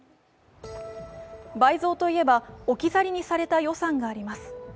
倍増といえば、置き去りにされた予算があります。